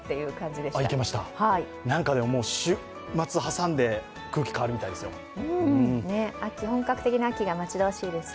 でも週末挟んで空気変わるみたいですよ。